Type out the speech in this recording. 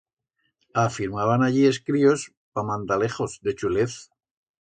Afirmaban allí es críos pa mandalejos, de chulez.